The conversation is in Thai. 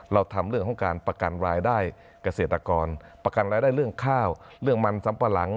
เราทำเรื่องของการประกันรายได้เกษตรกรประกันรายได้เรื่องข้าวเรื่องมันสัมปะหลัง